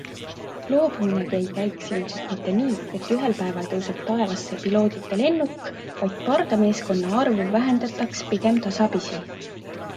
Loobuminegi ei käiks ilmselt mitte nii, et ühel päeval tõuseb taevasse piloodita lennuk, vaid pardameeskonna arvu vähendataks pigem tasapisi.